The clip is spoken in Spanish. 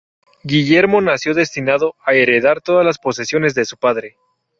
Guillermo nació destinado a heredar todas las posesiones de su padre.